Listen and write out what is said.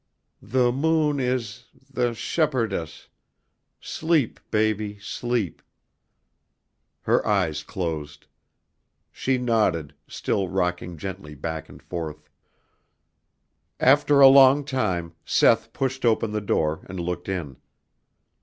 The moon ... is ... the ... shepher ... dess, Sleep, Baby ... Sleep ..." Her eyes closed. She nodded, still rocking gently back and forth. After a long time Seth pushed open the door and looked in.